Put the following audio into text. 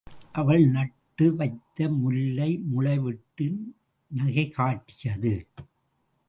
அவள் நட்டு வைத்த முல்லை முளைவிட்டு நகை காட்டியது.